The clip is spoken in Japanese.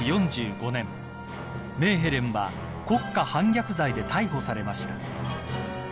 ［メーヘレンは国家反逆罪で逮捕されました］